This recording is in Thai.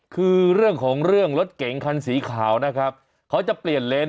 คือเรื่องของเรื่องรถเก๋งคันสีขาวนะครับเขาจะเปลี่ยนเลนส